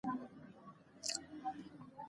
زموږ زياتره ښکنځلې د مور، خور، ښځې او لور کلمې دي.